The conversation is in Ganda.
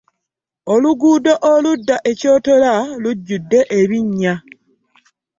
Oluguudo oludda e Kyotera lujjudde ebinnya.